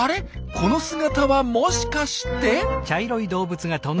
この姿はもしかして？